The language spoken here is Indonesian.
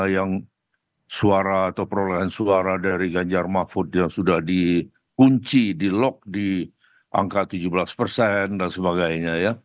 yang suara atau perolehan suara dari ganjar mahfud yang sudah dikunci di lock di angka tujuh belas persen dan sebagainya ya